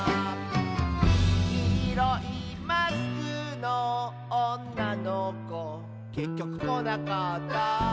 「きいろいマスクのおんなのこ」「けっきょくこなかった」